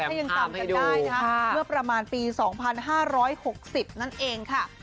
ให้ยังตามให้ดูเมื่อประมาณปี๒๕๖๐นั่นเองค่ะ